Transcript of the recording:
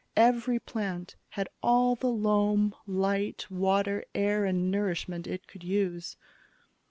Every plant had all the loam, light, water, air and nourishment it could use.